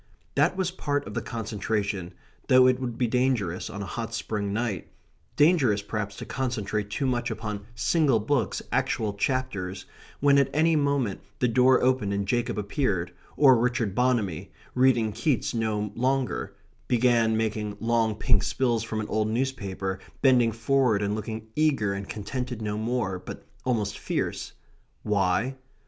That was part of the concentration, though it would be dangerous on a hot spring night dangerous, perhaps, to concentrate too much upon single books, actual chapters, when at any moment the door opened and Jacob appeared; or Richard Bonamy, reading Keats no longer, began making long pink spills from an old newspaper, bending forward, and looking eager and contented no more, but almost fierce. Why?